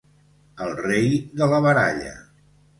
El rei de la baralla.